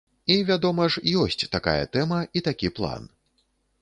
І, вядома ж, ёсць такая тэма і такі план.